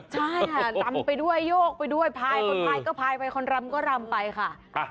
ใช่ค่ะรำไปด้วยโยกไปด้วยพายคนพายก็พายไปคนรำก็รำไปค่ะ